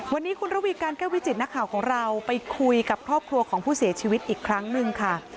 วันนี้คุณระวีการแก้ววิจิตนักข่าวของเราไปคุยกับครอบครัวของผู้เสียชีวิตอีกครั้งหนึ่งค่ะ